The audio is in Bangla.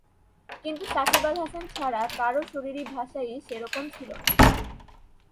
কিন্তু সাকিব আল হাসান ছাড়া কারও শরীরী ভাষায়ই সে রকম ছিল না।